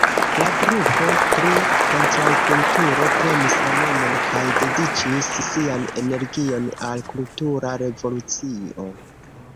La grupo pri kontraŭkulturo prenis la nomon kaj dediĉis sian energion al "kultura revolucio".